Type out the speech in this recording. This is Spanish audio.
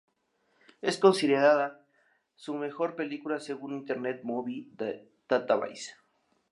Es considerada su mejor película según Internet Movie Database.